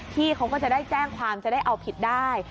เขาก็จะได้แจ้งความจะได้เอาผิดได้